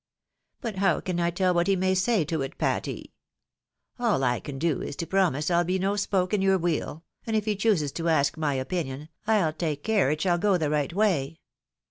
But how can I tell what he may say to it, Patty ? All I can do is to promise I'll be no spoke in your wheel, and if he chooses to ask my opinion, I'll take care it shall go the right way."